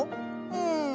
うん。